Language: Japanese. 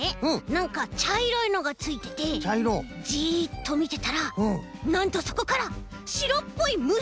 なんかちゃいろいのがついててジッとみてたらなんとそこからしろっぽいむしがでてきたんだよね！